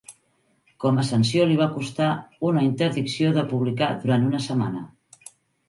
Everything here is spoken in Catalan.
Com a sanció li va costar una interdicció de publicar durant una setmana.